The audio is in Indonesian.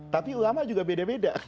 tapi ulama juga beda beda